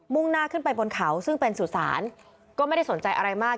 ่งหน้าขึ้นไปบนเขาซึ่งเป็นสุสานก็ไม่ได้สนใจอะไรมาก